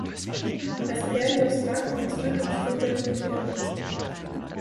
Das Periostracum ist dünn und strohgelb gefärbt.